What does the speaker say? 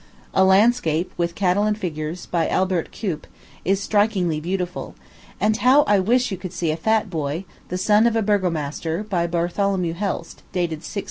A Landscape, with cattle and figures, by Albert Cuyp, is strikingly beautiful; and how I wish you could see a Fat Boy, the son of a burgomaster, by Bartholomew Helst, dated 1648.